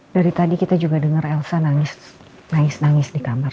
dari tadi kita juga dengar elsa nangis nangis di kamar